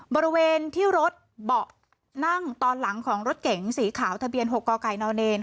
บริเวณที่รถเบาะนั่งตอนหลังของรถเก๋งสีขาวทะเบียน๖กกน